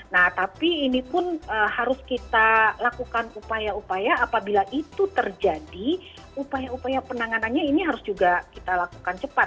nah tapi ini pun harus kita lakukan upaya upaya apabila itu terjadi upaya upaya penanganannya ini harus juga kita lakukan cepat